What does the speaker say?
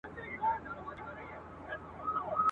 له واخانه تر پنجشیره د هري تر منارونو ..